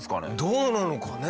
どうなのかね？